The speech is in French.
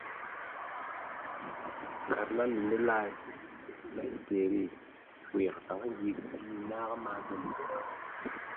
Le vendredi, la présence de mess Lethierry à sa fenêtre valait un signal.